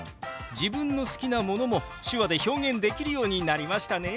自分の好きなものも手話で表現できるようになりましたね。